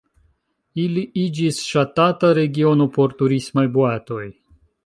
Ili iĝis ŝatata regiono por turismaj boatoj.